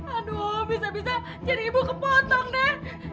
aduh bisa bisa jadi ibu kepotong deh